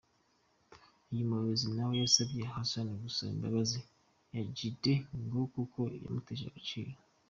Uyu muyobozi na we yasabye Habash gusaba imbabazi Jaydee ngo kuko yamutesheje agaciro.